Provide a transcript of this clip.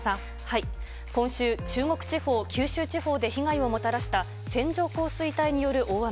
今週、中国地方、九州地方で被害をもたらした線状降水帯による大雨。